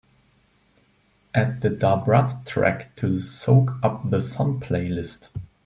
Add the da brat track to the Soak Up The Sun playlist.